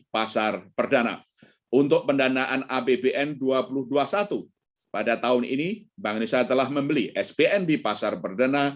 pasar perdana untuk pendanaan apbn dua ribu dua puluh satu pada tahun ini bank indonesia telah membeli spn di pasar perdana